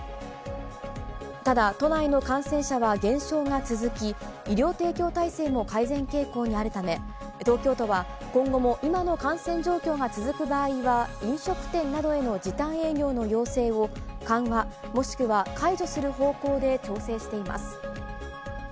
ただ都内の感染者は減少が続き、医療提供体制も改善傾向にあるため、東京都は今後も今の感染状況が続く場合は飲食店などへの時短営業の要請を緩和、もしくは解除する方向で調整しています。